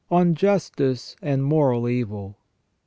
ON JUSTICE AND MORAL EVIL.